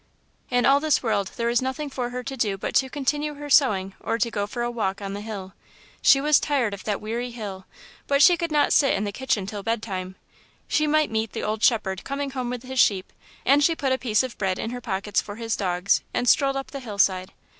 In all this world there was nothing for her to do but to continue her sewing or to go for a walk on the hill. She was tired of that weary hill! But she could not sit in the kitchen till bedtime. She might meet the old shepherd coming home with his sheep, and she put a piece of bread in her pocket for his dogs and strolled up the hill side.